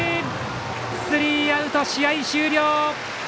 スリーアウト、試合終了！